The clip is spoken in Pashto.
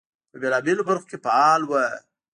په بېلابېلو برخو کې فعال وو.